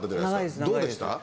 どうでした？